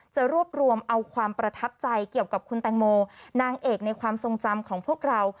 จะรวบรวมเอาความประทับใจเกี่ยวกับคุณแตงโมนางเอกในความทรงจำของพวกเรา